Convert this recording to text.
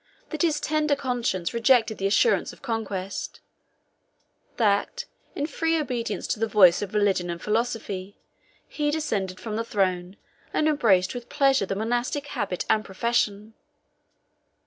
that his tender conscience rejected the assurance of conquest; that, in free obedience to the voice of religion and philosophy, he descended from the throne and embraced with pleasure the monastic habit and profession.